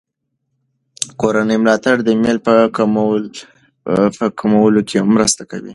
کورني ملاتړ د میل په کمولو کې مرسته کوي.